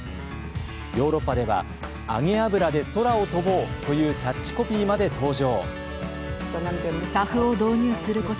ヨーロッパでは「揚げ油で空を飛ぼう」というキャッチコピーまで登場。